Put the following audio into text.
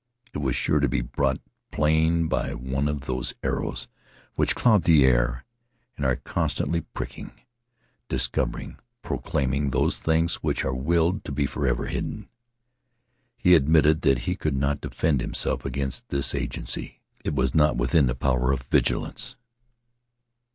It was sure to be brought plain by one of those arrows which cloud the air and are constantly pricking, discovering, proclaiming those things which are willed to be forever hidden. He admitted that he could not defend himself against this agency. It was not within the power of vigilance.